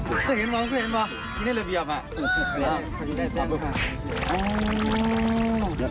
เจ้าเห็นเหรอว่ะนี่ได้ระเบียบ